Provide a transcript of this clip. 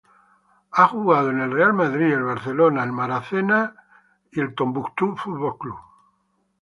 Ha jugado en los equipos Arizona Cardinals, New Orleans Saints y Washington Redskins.